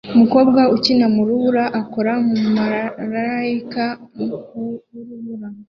Umukobwa akina mu rubura akora marayika wurubura